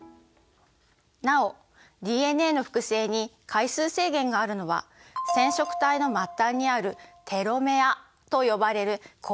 なおＤＮＡの複製に回数制限があるのは染色体の末端にあるテロメアと呼ばれる構造が関係しています。